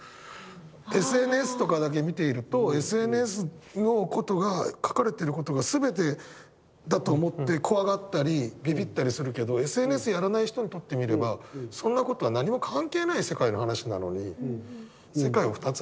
ＳＮＳとかだけ見ているとＳＮＳのことが書かれてることが全てだと思って怖がったりビビったりするけどＳＮＳやらない人にとってみればそんなことは何も関係ない世界の話なのに。